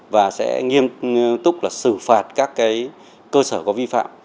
và sẽ nghiêm túc xử phạt các cơ sở có vi phạm